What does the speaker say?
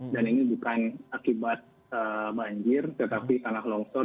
ini bukan akibat banjir tetapi tanah longsor